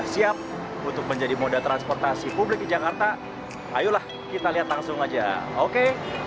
siap untuk menjadi moda transportasi publik di jakarta ayolah kita lihat langsung aja oke